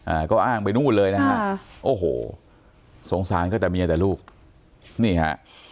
อ่าก็อ้างไปนู่นเลยนะฮะค่ะโอ้โหสงสารก็แต่เมียแต่ลูกนี่ฮะ